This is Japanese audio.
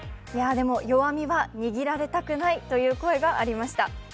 でも弱みは握られたくないという声がありました。